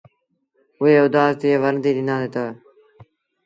اُئي اُدآس ٿئي ورنديٚ ڏنآندي تا۔